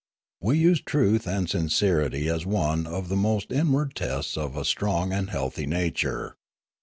We use truth and sincerity as one of the most inward of tests of a strong and healthy nature.